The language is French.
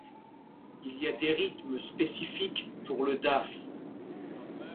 Il y a des rythmes spécifiques pour le daf.